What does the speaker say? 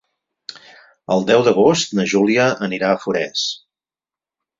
El deu d'agost na Júlia anirà a Forès.